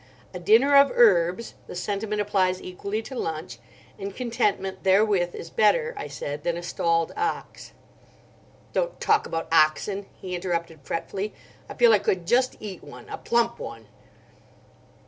"A dinner of herbs—the sentiment applies equally to lunch—and contentment therewith is better," I said, "than a stalled ox." "Don't talk about oxen," he interrupted fretfully. "I feel I could just eat one—a plump one."